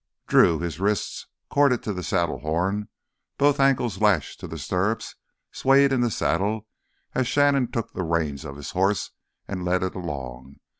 Drew, his wrists corded to the saddle horn, both ankles lashed to the stirrups, swayed in the saddle as Shannon took the reins of his horse and led it along.